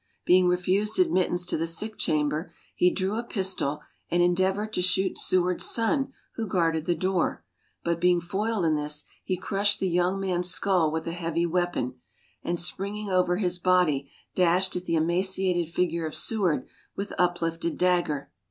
Being refused admittance to the sick chamber, he drew a pistol and endeavored to shoot Seward's son who guarded the door; but being foiled in this he crushed the young man's skull with the heavy weapon, and springing over his body dashed at the emaciated figure of Seward with uplifted dagger.